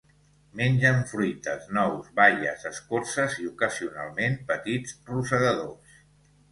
Mengen fruites, nous, baies, escorces i ocasionalment petits rosegadors.